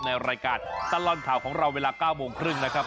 ในรายการตลอดข่าวของเราเวลา๙๓๐นะครับ